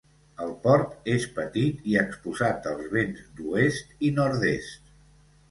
El port és petit i exposat als vents d'oest i nord-est.